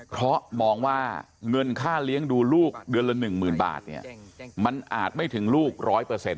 เพราะมองว่าเงินค่าเลี้ยงดูลูกเดือนละหนึ่งหมื่นบาทเนี่ยมันอาจไม่ถึงลูกร้อยเปอร์เซ็นต์